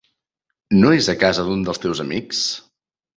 No és a casa d'un dels teus amics?